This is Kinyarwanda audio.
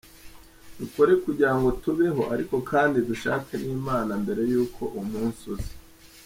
Dukore kugirango tubeho, ariko kandi dushake n’imana mbere yuko uwo munsi uza.